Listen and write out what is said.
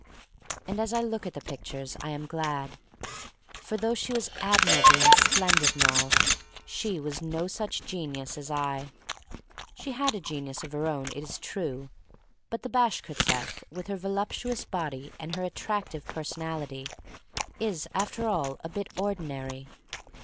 And as I look at the pictures I am glad. For though she was admirable and splendid, and all, she was no such genius as I. She had a genius of her own, it is true. But the Bashkirtseff, with her voluptuous body and her at tractive personality, is after all a bit ordinary.